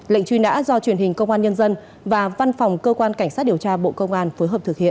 lệnh truy nã do truyền hình công an nhân dân và văn phòng cơ quan cảnh sát điều tra bộ công an phối hợp thực hiện